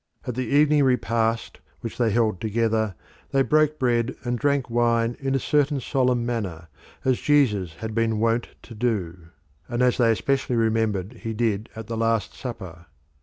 At the evening repast which they held together they broke bread and drank wine in a certain solemn manner, as Jesus had been wont to do, and as they especially remembered he did at the Last Supper.